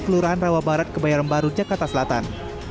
kelurahan rawa barat kebayoran baru jakarta selatan